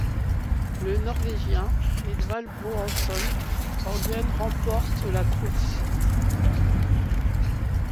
Le Norvégien Edvald Boasson Hagen remporte la course.